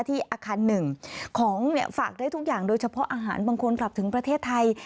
อาคารหนึ่งของฝากได้ทุกอย่างโดยเฉพาะอาหารบางคนกลับถึงประเทศไทย